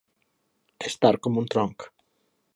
Estar com un tronc.